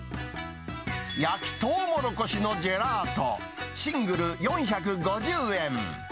焼きとうもろこしのジェラート、シングル４５０円。